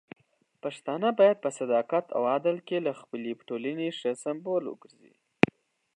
پښتانه بايد په صداقت او عدل کې د خپلې ټولنې ښه سمبول وګرځي.